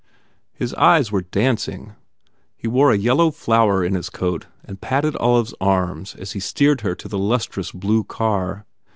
His eyes were dancing. He wore a yellow flower in his coat and patted Olive s arm as he steered her to the lustrous blue car.